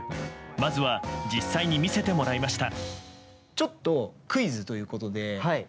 まずは実際に見せてもらいました。